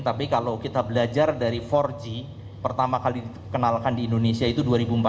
tapi kalau kita belajar dari empat g pertama kali dikenalkan di indonesia itu dua ribu empat belas